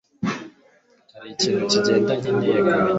hari ikintu kigenda nkeneye kumenya